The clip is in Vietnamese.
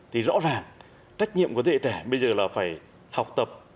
thì rõ ràng trách nhiệm của thế hệ trẻ bây giờ là phải học tập